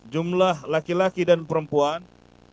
jumlah laki laki dan perempuan sembilan ribu lima ratus tujuh puluh tiga